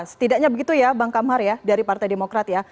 setidaknya begitu ya bang kamhar ya dari partai demokrat ya